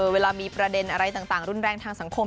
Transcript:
เวลามีประเด็นอะไรต่างรุนแรงทางสังคม